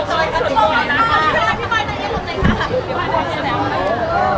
สเติมเติมบนหลัง